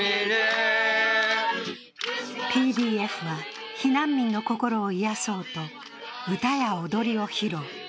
ＰＤＦは避難民の心を癒やそうと歌や踊りを披露。